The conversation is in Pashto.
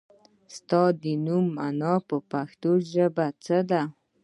ستا د نوم مانا په پښتو کې څه ده ؟